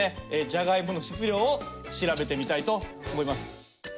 ジャガイモの質量を調べてみたいと思います。